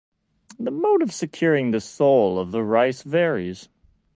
The mode of securing the soul of the rice varies.